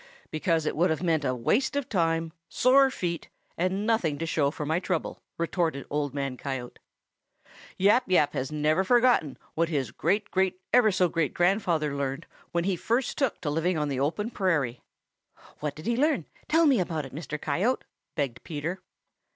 "Because it would have meant a waste of time, sore feet, and nothing to show for my trouble," retorted Old Man Coyote. "Yap Yap never has forgotten what his great great ever so great grandfather learned when he first took to living on the open prairie." "What did he learn? Tell me about it, Mr. Coyote," begged Peter.